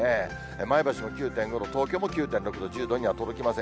前橋も９．５度、東京も１０．６度、１０度には届きません。